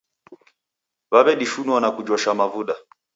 Waw'edishua na kujosa mavuda.